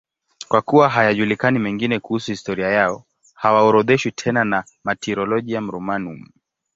Kwa kuwa hayajulikani mengine kuhusu historia yao, hawaorodheshwi tena na Martyrologium Romanum.